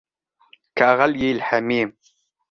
كغلي الحميم